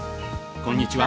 こんにちは。